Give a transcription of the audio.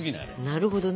なるほどな。